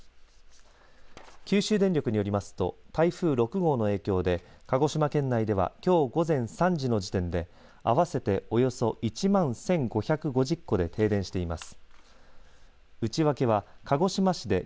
九州電力によりますと台風６号の影響で鹿児島県内ではきょう午前３時の時点で合わせて、およそ１万１５５０戸で停電しています。